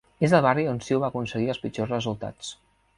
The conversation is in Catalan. És el barri on CiU va aconseguir els pitjors resultats.